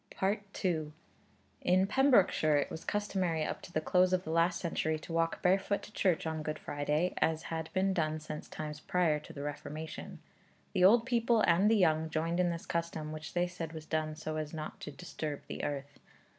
II. In Pembrokeshire, it was customary up to the close of the last century, to walk barefoot to church on Good Friday, as had been done since times prior to the Reformation. The old people and the young joined in this custom, which they said was done so as not to 'disturb the earth.'